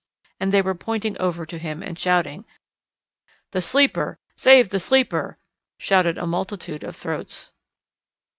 And they were pointing over to him and shouting. "The Sleeper! Save the Sleeper!" shouted a multitude of throats.